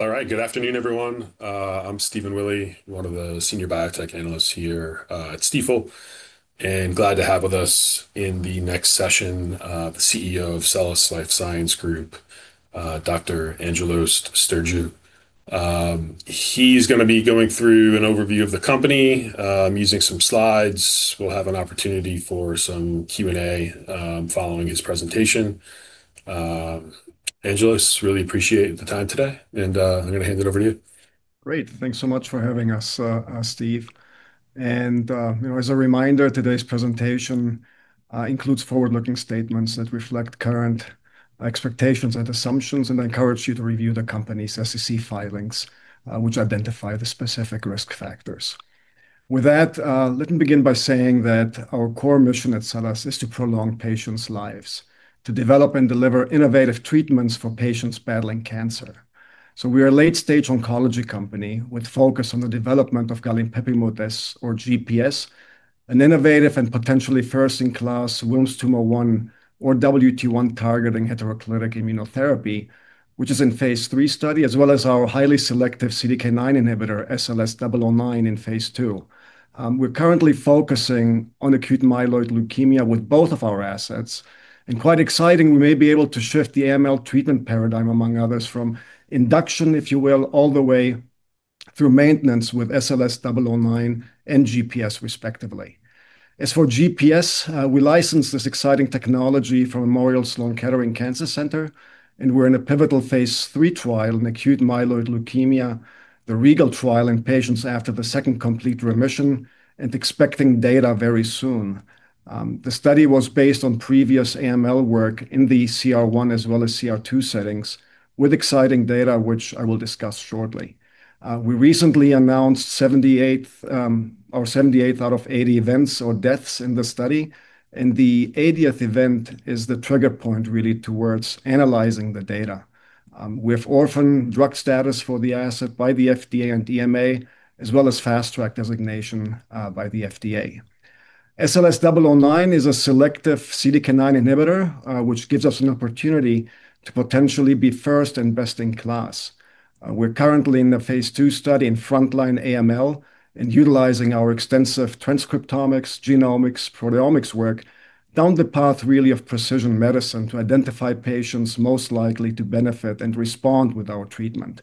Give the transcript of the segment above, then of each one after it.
All right. Good afternoon, everyone. I'm Stephen Willey, one of the Senior Biotech Analysts here at Stifel. Glad to have with us in the next session, the CEO of SELLAS Life Sciences Group, Dr. Angelos Stergiou. He's gonna be going through an overview of the company, using some slides. We'll have an opportunity for some Q&A, following his presentation. Angelos, really appreciate the time today and I'm gonna hand it over to you. Great. Thanks so much for having us, Steve. You know, as a reminder, today's presentation includes forward-looking statements that reflect current expectations and assumptions. I encourage you to review the company's SEC filings, which identify the specific risk factors. With that, let me begin by saying that our core mission at SELLAS is to prolong patients' lives, to develop and deliver innovative treatments for patients battling cancer. We're a late-stage oncology company with focus on the development of galinpepimut-S or GPS, an innovative and potentially first-in-class Wilms' tumor 1 or WT1 targeting heteroclitic immunotherapy, which is in phase III study, as well as our highly selective CDK9 inhibitor, SLS009 in phase II. We're currently focusing on acute myeloid leukemia with both of our assets, and quite exciting, we may be able to shift the AML treatment paradigm, among others, from induction, if you will, all the way through maintenance with SLS009 and GPS respectively. As for GPS, we licensed this exciting technology from Memorial Sloan Kettering Cancer Center, and we're in a pivotal phase III trial in acute myeloid leukemia, the REGAL trial in patients after the second complete remission, and expecting data very soon. The study was based on previous AML work in the CR1 as well as CR2 settings, with exciting data which I will discuss shortly. We recently announced 78, or 78 out of 80 events or deaths in the study, and the 80th event is the trigger point really towards analyzing the data. With orphan drug status for the asset by the FDA and EMA, as well as Fast Track designation by the FDA. SLS009 is a selective CDK9 inhibitor, which gives us an opportunity to potentially be first and best in class. We're currently in the phase II study in frontline AML and utilizing our extensive transcriptomics, genomics, proteomics work down the path really of precision medicine to identify patients most likely to benefit and respond with our treatment.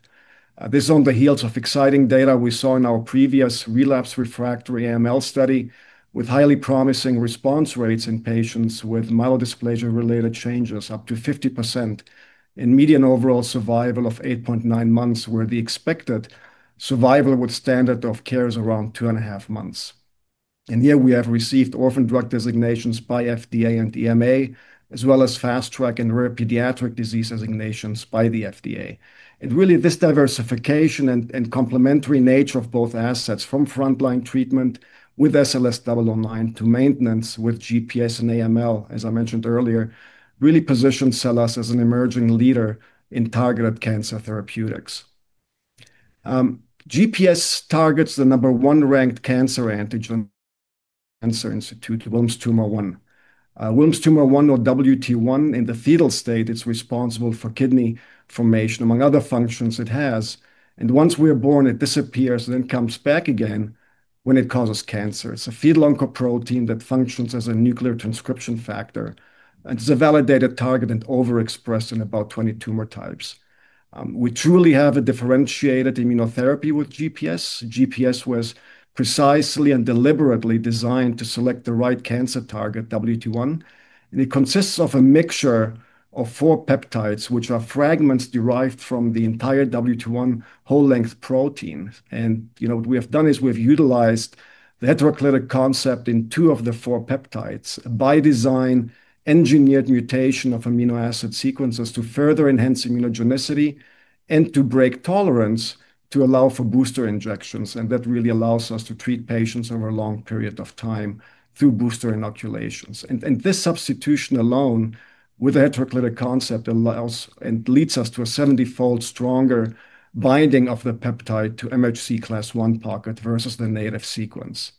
This is on the heels of exciting data we saw in our previous relapse refractory AML study with highly promising response rates in patients with myelodysplasia-related changes up to 50%, and median overall survival of 8.9 months, where the expected survival with standard of care is around 2.5 months. Here we have received orphan drug designations by FDA and EMA, as well as Fast Track and Rare Pediatric Disease designations by the FDA. Really, this diversification and complementary nature of both assets from frontline treatment with SLS009 to maintenance with GPS and AML, as I mentioned earlier, really positions SELLAS as an emerging leader in targeted cancer therapeutics. GPS targets the number one ranked cancer antigen, Cancer Institute Wilms' tumor 1. Wilms' tumor 1 or WT1 in the fetal state is responsible for kidney formation, among other functions it has. Once we are born, it disappears and then comes back again when it causes cancer. It's a fetal oncoprotein that functions as a nuclear transcription factor. It's a validated target and overexpressed in about 20 tumor types. We truly have a differentiated immunotherapy with GPS. GPS was precisely and deliberately designed to select the right cancer target, WT1, and it consists of a mixture of four peptides, which are fragments derived from the entire WT1 whole length protein. You know, what we have done is we've utilized the heteroclitic concept in two of the four peptides by design, engineered mutation of amino acid sequences to further enhance immunogenicity and to break tolerance to allow for booster injections. That really allows us to treat patients over a long period of time through booster inoculations. This substitution alone with the heteroclitic concept allows and leads us to a 70-fold stronger binding of the peptide to MHC class I pocket versus the native sequence.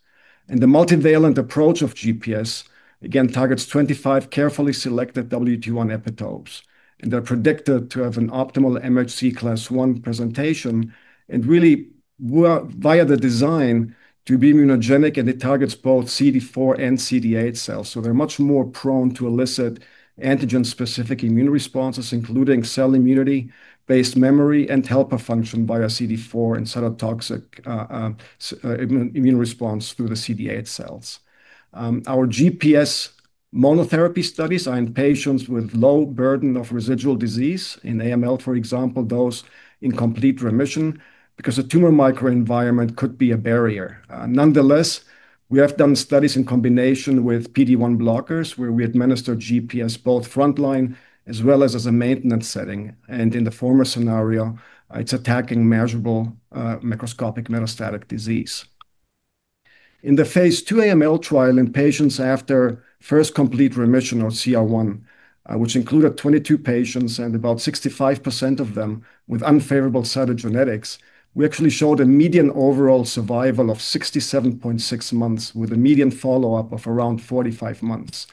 The multivalent approach of GPS, again, targets 25 carefully selected WT1 epitopes, and they're predicted to have an optimal MHC class I presentation and really were via the design to be immunogenic, and it targets both CD4 and CD8 cells. They're much more prone to elicit antigen-specific immune responses, including cell immunity based memory and helper function via CD4 and cytotoxic immune response through the CD8 cells. Our GPS monotherapy studies are in patients with low burden of residual disease. In AML, for example, those in complete remission, because the tumor microenvironment could be a barrier. Nonetheless, we have done studies in combination with PD-1 blockers, where we administer GPS both frontline as well as a maintenance setting. In the former scenario, it's attacking measurable microscopic metastatic disease. In the phase II AML trial in patients after first complete remission or CR1, which included 22 patients and about 65% of them with unfavorable cytogenetics, we actually showed a median overall survival of 67.6 months, with a median follow-up of around 45 months.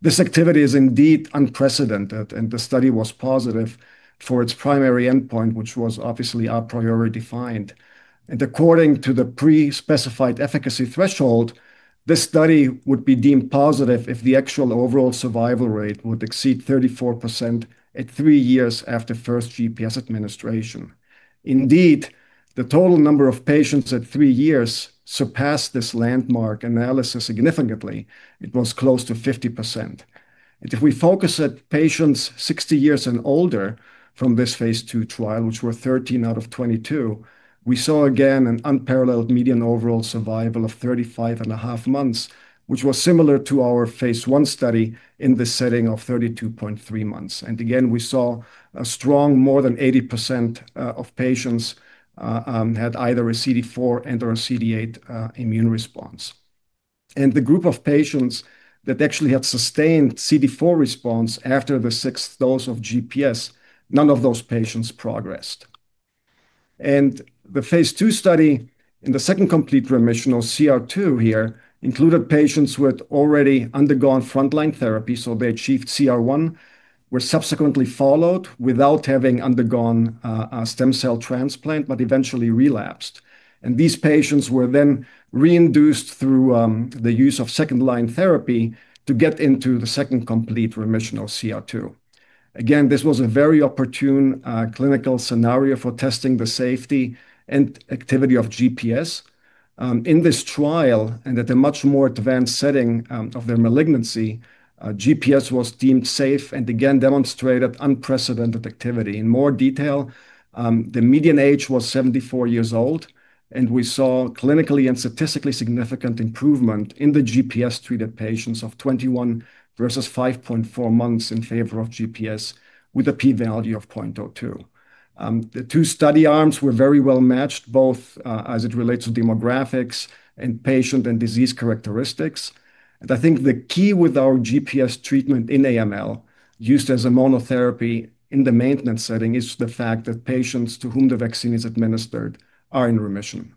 This activity is indeed unprecedented. The study was positive for its primary endpoint, which was obviously our priority find. According to the pre-specified efficacy threshold. This study would be deemed positive if the actual overall survival rate would exceed 34% at three years after first GPS administration. Indeed, the total number of patients at three years surpassed this landmark analysis significantly. It was close to 50%. If we focus at patients 60 years and older from this phase II trial, which were 13 out of 22, we saw again an unparalleled median overall survival of 35.5 months, which was similar to our phase I study in the setting of 32.3 months. Again, we saw a strong more than 80% of patients had either a CD4 and/or a CD8 immune response. The group of patients that actually had sustained CD4 response after the sixth dose of GPS, none of those patients progressed. The phase II study in the second complete remission, or CR2 here, included patients who had already undergone frontline therapy, so they achieved CR1, were subsequently followed without having undergone a stem cell transplant, but eventually relapsed. These patients were then reinduced through the use of second-line therapy to get into the second complete remission, or CR2. This was a very opportune clinical scenario for testing the safety and activity of GPS. In this trial, and at a much more advanced setting of their malignancy, GPS was deemed safe and again demonstrated unprecedented activity. In more detail, the median age was 74 years old, and we saw clinically and statistically significant improvement in the GPS-treated patients of 21 versus 5.4 months in favor of GPS with a p-value of 0.02. The two study arms were very well-matched, both as it relates to demographics and patient and disease characteristics. I think the key with our GPS treatment in AML, used as a monotherapy in the maintenance setting, is the fact that patients to whom the vaccine is administered are in remission.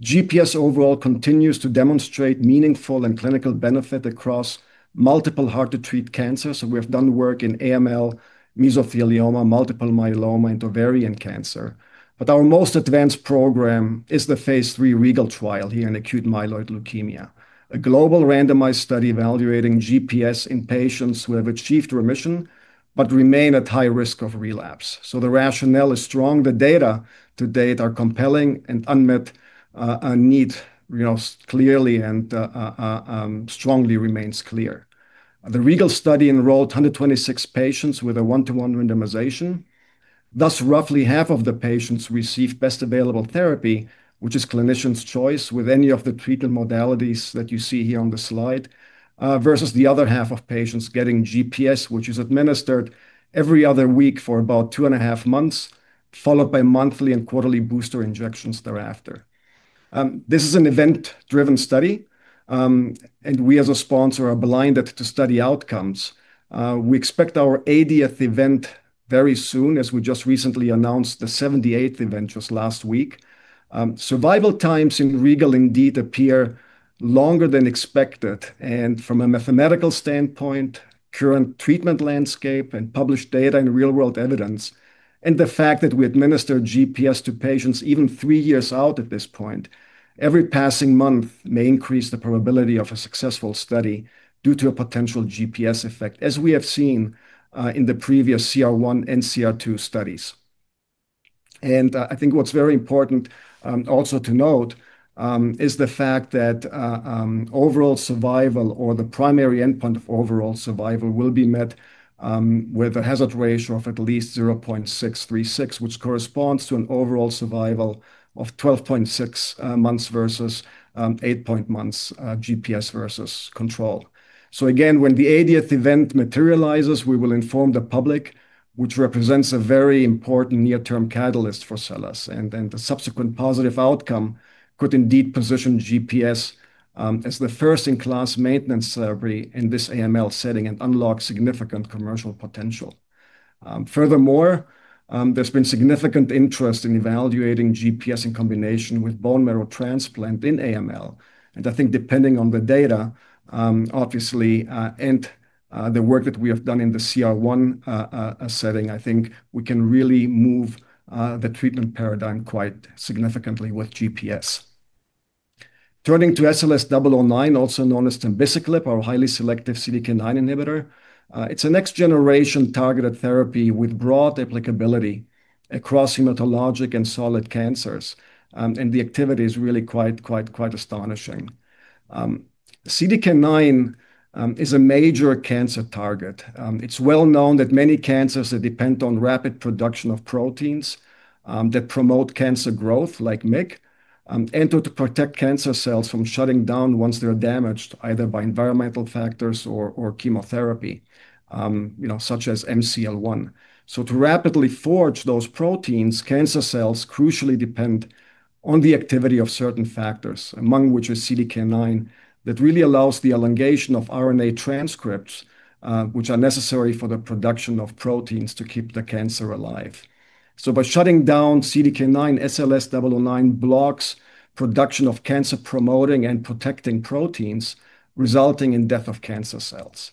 GPS overall continues to demonstrate meaningful and clinical benefit across multiple hard-to-treat cancers, and we have done work in AML, mesothelioma, multiple myeloma, into ovarian cancer. Our most advanced program is the phase III REGAL trial here in acute myeloid leukemia, a global randomized study evaluating GPS in patients who have achieved remission but remain at high risk of relapse. The rationale is strong, the data to date are compelling, and unmet, a need, you know, clearly and strongly remains clear. The REGAL study enrolled 126 patients with a 1-to-1 randomization, thus roughly half of the patients received best available therapy, which is clinician's choice, with any of the treatment modalities that you see here on the slide, versus the other half of patients getting GPS, which is administered every other week for about 2.5 months, followed by monthly and quarterly booster injections thereafter. This is an event-driven study, and we as a sponsor are blinded to study outcomes. We expect our 80th event very soon, as we just recently announced the 78th event just last week. Survival times in REGAL indeed appear longer than expected. From a mathematical standpoint, current treatment landscape and published data and real-world evidence, and the fact that we administer GPS to patients even three years out at this point, every passing month may increase the probability of a successful study due to a potential GPS effect, as we have seen in the previous CR1 and CR2 studies. I think what's very important also to note is the fact that overall survival or the primary endpoint of overall survival will be met with a hazard ratio of at least 0.636, which corresponds to an overall survival of 12.6 months versus 8.1 months, GPS versus control. Again, when the 80th event materializes, we will inform the public, which represents a very important near-term catalyst for SELLAS. The subsequent positive outcome could indeed position GPS as the first-in-class maintenance therapy in this AML setting and unlock significant commercial potential. Furthermore, there's been significant interest in evaluating GPS in combination with bone marrow transplant in AML. I think depending on the data, the work that we have done in the CR1 setting, I think we can really move the treatment paradigm quite significantly with GPS. Turning to SLS009, also known as tambiciclib, our highly selective CDK9 inhibitor, it's a next-generation targeted therapy with broad applicability across hematologic and solid cancers. The activity is really quite astonishing. CDK9 is a major cancer target. It's well known that many cancers, they depend on rapid production of proteins that promote cancer growth, like MYC, and/or to protect cancer cells from shutting down once they're damaged, either by environmental factors or chemotherapy, you know, such as MCL-1. To rapidly forge those proteins, cancer cells crucially depend on the activity of certain factors, among which is CDK9, that really allows the elongation of RNA transcripts, which are necessary for the production of proteins to keep the cancer alive. By shutting down CDK9, SLS009 blocks production of cancer promoting and protecting proteins, resulting in death of cancer cells.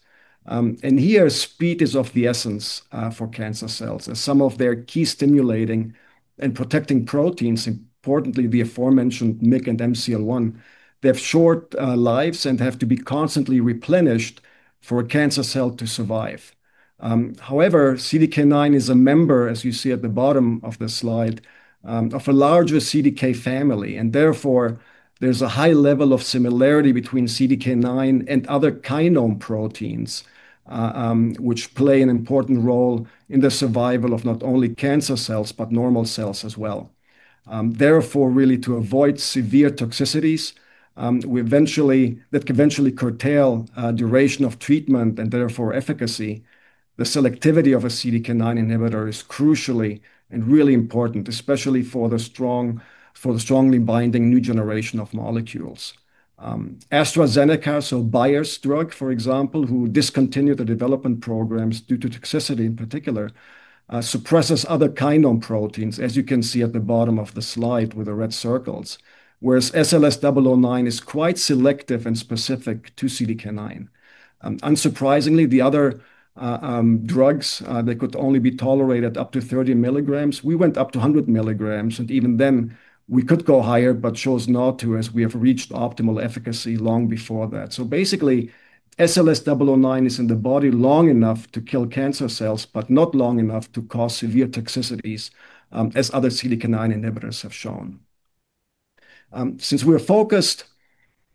Here, speed is of the essence for cancer cells, as some of their key stimulating and protecting proteins, importantly the aforementioned MYC and MCL-1, they have short lives and have to be constantly replenished for a cancer cell to survive. CDK9 is a member, as you see at the bottom of the slide, of a larger CDK family. Therefore, there's a high level of similarity between CDK9 and other kinome proteins, which play an important role in the survival of not only cancer cells but normal cells as well. Therefore really to avoid severe toxicities that can eventually curtail duration of treatment and therefore efficacy, the selectivity of a CDK9 inhibitor is crucially and really important, especially for the strongly binding new generation of molecules. AstraZeneca, so Bayer's drug, for example, who discontinued the development programs due to toxicity in particular, suppresses other kinome proteins, as you can see at the bottom of the slide with the red circles, whereas SLS009 is quite selective and specific to CDK9. Unsurprisingly, the other drugs, they could only be tolerated up to 30 mg. We went up to 100 mg, and even then we could go higher but chose not to as we have reached optimal efficacy long before that. Basically, SLS009 is in the body long enough to kill cancer cells but not long enough to cause severe toxicities as other CDK9 inhibitors have shown. Since we are focused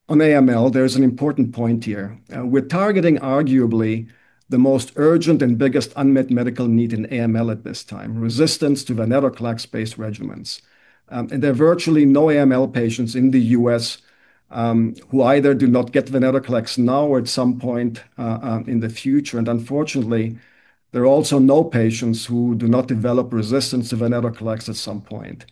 on AML, there's an important point here. We're targeting arguably the most urgent and biggest unmet medical need in AML at this time, resistance to venetoclax-based regimens. There are virtually no AML patients in the U.S. who either do not get venetoclax now or at some point in the future. Unfortunately, there are also no patients who do not develop resistance to venetoclax at some point.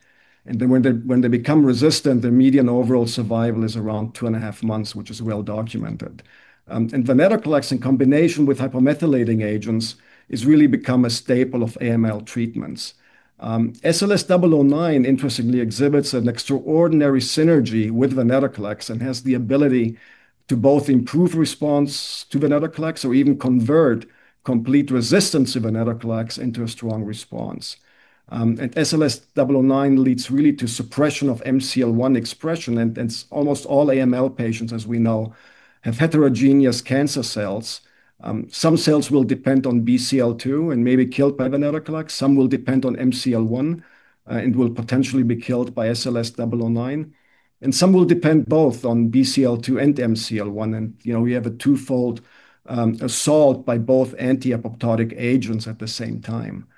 When they become resistant, their median overall survival is around 2.5 months, which is well-documented. Venetoclax in combination with hypomethylating agents has really become a staple of AML treatments. SLS009 interestingly exhibits an extraordinary synergy with venetoclax and has the ability to both improve response to venetoclax or even convert complete resistance to venetoclax into a strong response. SLS009 leads really to suppression of MCL-1 expression and almost all AML patients, as we know, have heterogeneous cancer cells. Some cells will depend on BCL-2 and may be killed by venetoclax. Some will depend on MCL-1 and will potentially be killed by SLS009. Some will depend both on BCL-2 and MCL-1 and, you know, we have a twofold assault by both anti-apoptotic agents at the same time.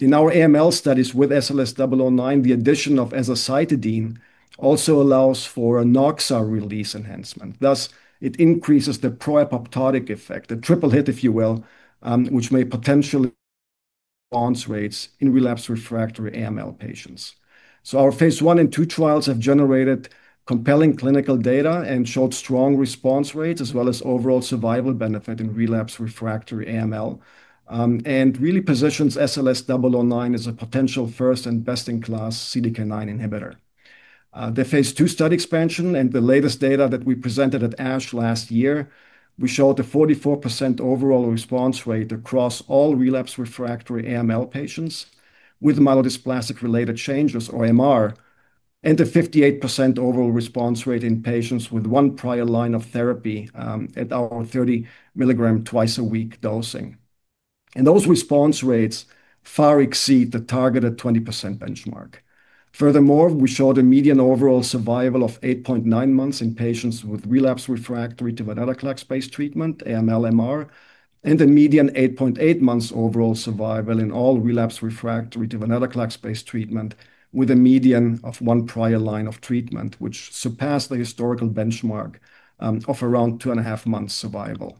In our AML studies with SLS009, the addition of azacitidine also allows for a NOXA release enhancement, thus it increases the pro-apoptotic effect, the triple hit if you will, which may potentially response rates in relapsed refractory AML patients. Our phase I and II trials have generated compelling clinical data and showed strong response rates as well as overall survival benefit in relapsed refractory AML and really positions SLS009 as a potential first and best-in-class CDK9 inhibitor. The phase II study expansion and the latest data that we presented at ASH last year, we showed a 44% overall response rate across all relapsed refractory AML patients with myelodysplastic-related changes or MR and a 58% overall response rate in patients with one prior line of therapy at our 30 mg twice-a-week dosing. Those response rates far exceed the targeted 20% benchmark. Furthermore, we showed a median overall survival of 8.9 months in patients with relapsed refractory to venetoclax-based treatment AML-MR and a median 8.8 months overall survival in all relapsed refractory to venetoclax-based treatment with a median of one prior line of treatment, which surpassed the historical benchmark of around 2.5 months survival.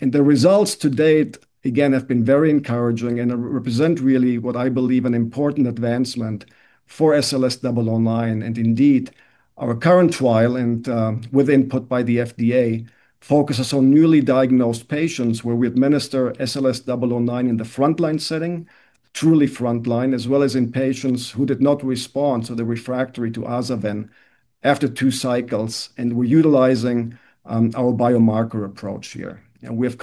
The results to date, again, have been very encouraging and represent really what I believe an important advancement for SLS009. Indeed, our current trial, with input by the FDA, focuses on newly diagnosed patients where we administer SLS009 in the frontline setting, truly frontline, as well as in patients who did not respond to the refractory to Aza-Ven after two cycles and we're utilizing our biomarker approach here. We have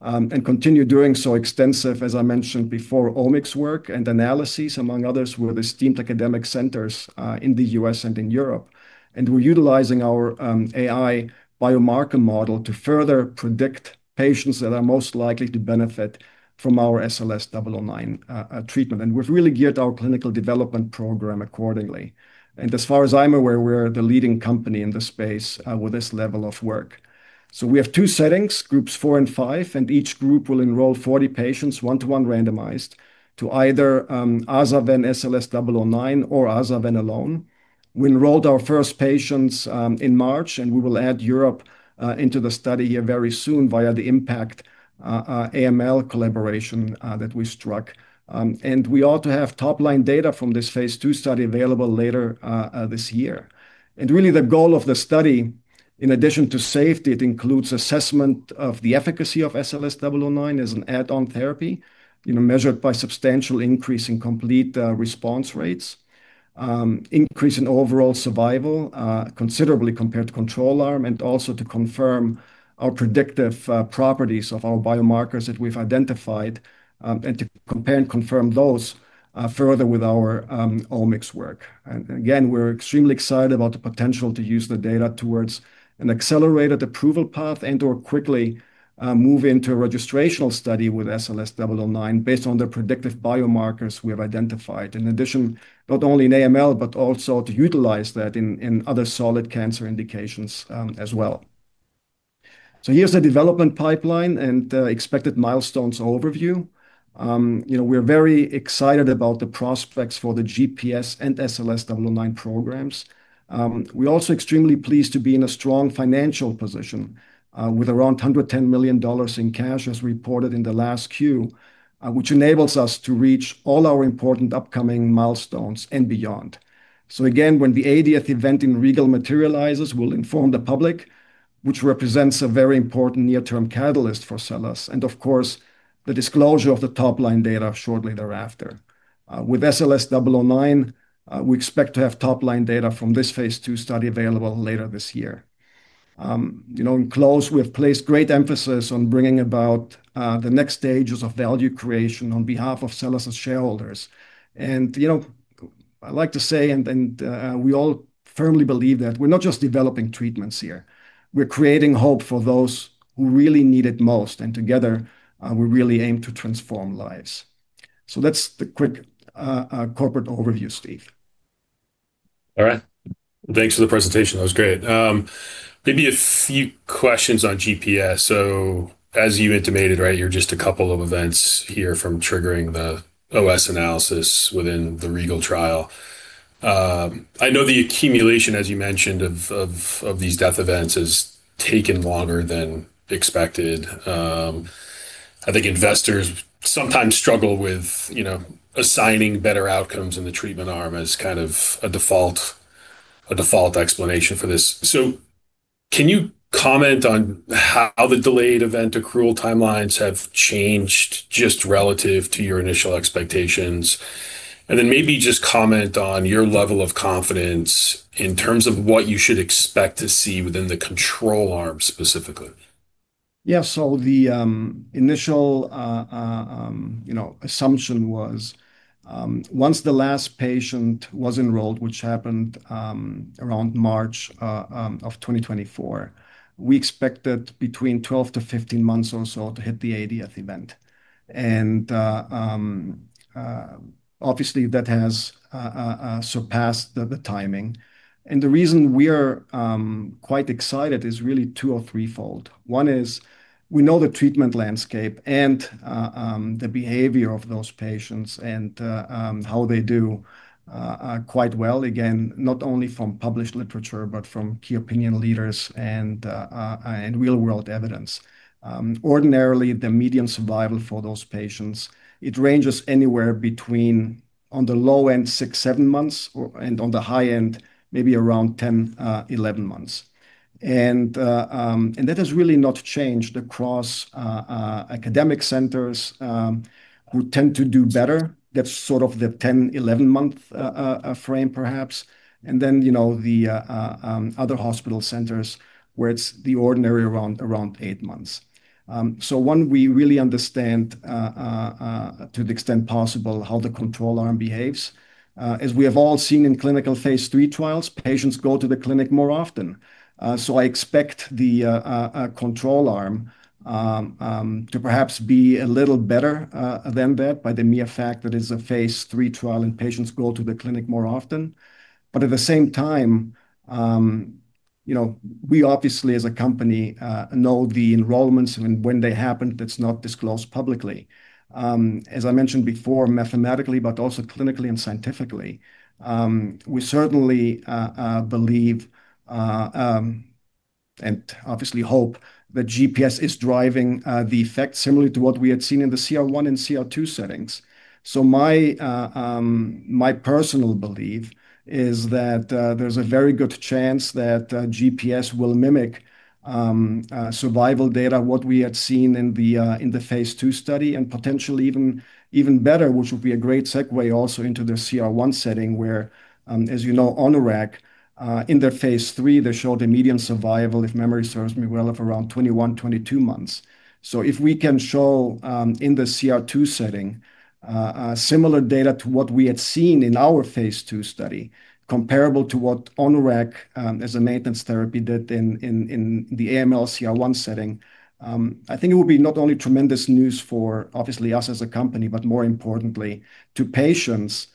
conducted and continue doing so extensive, as I mentioned before, omics work and analysis among others with esteemed academic centers in the U.S. and in Europe. We're utilizing our AI biomarker model to further predict patients that are most likely to benefit from our SLS009 treatment. We've really geared our clinical development program accordingly. As far as I'm aware, we're the leading company in this space with this level of work. We have two settings, groups four and five, and each group will enroll 40 patients, 1-to-1 randomized, to either Aza-Ven SLS009 or Aza-Ven alone. We enrolled our first patients in March, and we will add Europe into the study here very soon via the IMPACT-AML collaboration that we struck. We ought to have top-line data from this phase II study available later this year. Really the goal of the study, in addition to safety, it includes assessment of the efficacy of SLS009 as an add-on therapy, measured by substantial increase in complete response rates, increase in overall survival considerably compared to control arm, and also to confirm our predictive properties of our biomarkers that we've identified and to compare and confirm those further with our omics work. Again, we're extremely excited about the potential to use the data towards an accelerated approval path and/or quickly move into a registrational study with SLS009 based on the predictive biomarkers we have identified. In addition, not only in AML, but also to utilize that in other solid cancer indications as well. Here's the development pipeline and expected milestones overview. You know, we're very excited about the prospects for the GPS and SLS009 programs. We're also extremely pleased to be in a strong financial position, with around $110 million in cash as reported in the last Q, which enables us to reach all our important upcoming milestones and beyond. Again, when the 80th event in REGAL materializes, we'll inform the public, which represents a very important near-term catalyst for SELLAS. The disclosure of the top-line data shortly thereafter. With SLS009, we expect to have top-line data from this phase II study available later this year. You know, in close, we have placed great emphasis on bringing about the next stages of value creation on behalf of SELLAS' shareholders. You know, I like to say and, we all firmly believe that we're not just developing treatments here. We're creating hope for those who really need it most, and together, we really aim to transform lives. That's the quick, corporate overview, Steve. All right. Thanks for the presentation. That was great. A few questions on GPS. As you intimated, right, you're just a couple of events here from triggering the OS analysis within the REGAL trial. I know the accumulation, as you mentioned, of these death events has taken longer than expected. I think investors sometimes struggle with, you know, assigning better outcomes in the treatment arm as kind of a default explanation for this. Can you comment on how the delayed event accrual timelines have changed just relative to your initial expectations? Just comment on your level of confidence in terms of what you should expect to see within the control arm specifically. Yeah. So the initial, you know, assumption was, once the last patient was enrolled, which happened around March of 2024, we expected between 12 to 15 months or so to hit the 80th event. Obviously, that has surpassed the timing. The reason we're quite excited is really two or three-fold. One is we know the treatment landscape and the behavior of those patients and how they do quite well, again, not only from published literature but from key opinion leaders and real-world evidence. Ordinarily, the median survival for those patients, it ranges anywhere between, on the low end, six, seven months, and on the high end, maybe around 10, 11 months. That has really not changed across academic centers, who tend to do better. That's sort of the 10, 11-month frame perhaps. You know, the other hospital centers where it's the ordinary around eight months. One, we really understand to the extent possible how the control arm behaves. As we have all seen in clinical phase III trials, patients go to the clinic more often. I expect the control arm to perhaps be a little better than that by the mere fact that it's a phase III trial, and patients go to the clinic more often. At the same time, you know, we obviously, as a company, know the enrollments when they happen. That's not disclosed publicly. As I mentioned before, mathematically, but also clinically and scientifically, we certainly believe and obviously hope that GPS is driving the effect similarly to what we had seen in the CR1 and CR2 settings. My personal belief is that there's a very good chance that GPS will mimic survival data, what we had seen in the phase II study, and potentially even better, which would be a great segue also into the CR1 setting where, as you know, ONUREG in their phase III, they showed a median survival, if memory serves me well, of around 21, 22 months. If we can show in the CR2 setting similar data to what we had seen in our phase II study, comparable to what ONUREG as a maintenance therapy did in the AML CR1 setting, I think it would be not only tremendous news for obviously us as a company, but more importantly to patients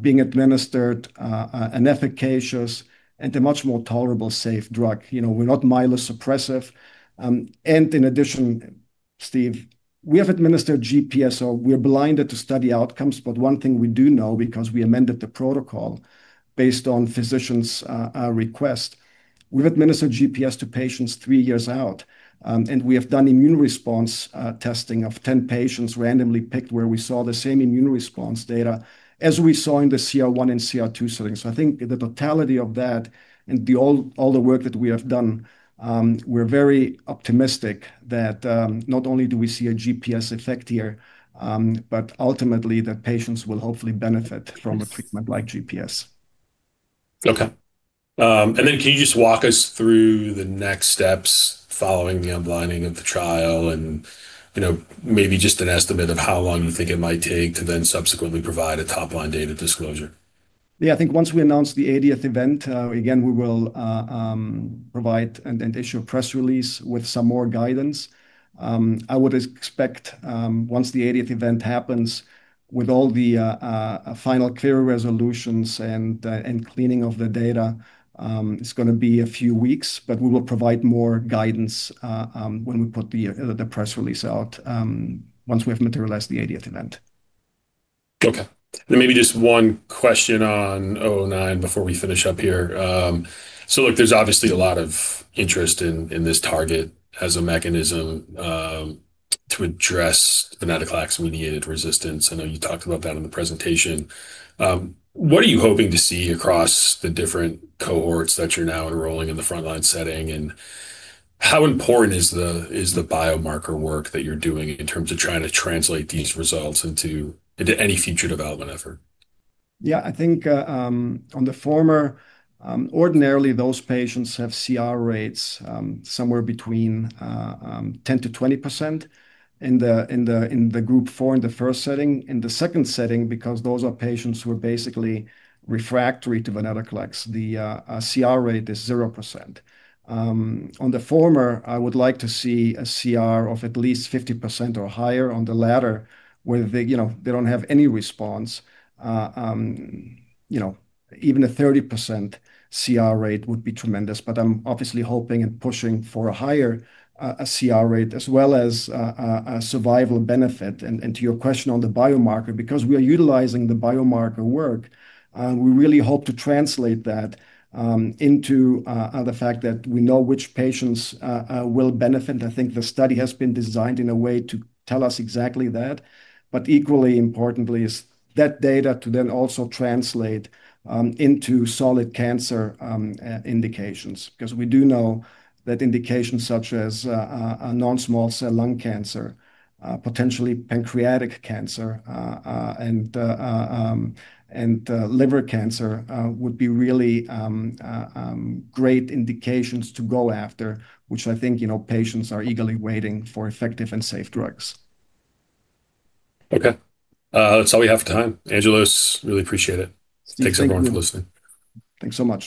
being administered an efficacious and a much more tolerable, safe drug. You know, we're not myelosuppressive. And in addition, Steve, we have administered GPS, so we're blinded to study outcomes. One thing we do know, because we amended the protocol based on physicians' request, we've administered GPS to patients three years out. We have done immune response testing of 10 patients randomly picked where we saw the same immune response data as we saw in the CR1 and CR2 settings. I think the totality of that and all the work that we have done, we're very optimistic that not only do we see a GPS effect here, but ultimately that patients will hopefully benefit from a treatment like GPS. Okay. Then can you just walk us through the next steps following the unblinding of the trial and, you know, maybe just an estimate of how long you think it might take to then subsequently provide a top-line data disclosure? Yeah, I think once we announce the eightieth event, again, we will provide and issue a press release with some more guidance. I would expect, once the 80th event happens with all the final clear resolutions and cleaning of the data, it's gonna be a few weeks. We will provide more guidance, when we put the press release out, once we have materialized the 80th event. Okay. Maybe just one question on SLS009 before we finish up here. Look, there's obviously a lot of interest in this target as a mechanism to address venetoclax-mediated resistance. I know you talked about that in the presentation. What are you hoping to see across the different cohorts that you're now enrolling in the frontline setting? How important is the biomarker work that you're doing in terms of trying to translate these results into any future development effort? I think on the former, ordinarily, those patients have CR rates somewhere between 10%-20% in the Group 4 in the first setting. In the second setting, because those are patients who are basically refractory to venetoclax, the CR rate is 0%. On the former, I would like to see a CR of at least 50% or higher. On the latter, where they, you know, they don't have any response, you know, even a 30% CR rate would be tremendous. I'm obviously hoping and pushing for a higher CR rate, as well as a survival benefit. To your question on the biomarker, because we are utilizing the biomarker work, we really hope to translate that into the fact that we know which patients will benefit. I think the study has been designed in a way to tell us exactly that. Equally importantly is that data to then also translate into solid cancer indications. We do know that indications such as non-small cell lung cancer, potentially pancreatic cancer, and liver cancer would be really great indications to go after, which I think, you know, patients are eagerly waiting for effective and safe drugs. Okay. That's all we have for time. Angelos, really appreciate it. Yeah, thank you. Thanks everyone for listening. Thanks so much.